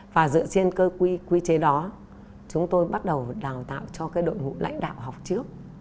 và dựa trên cơ quy quy chế đó chúng tôi bắt đầu đào tạo cho cái đội ngũ lãnh đạo học trước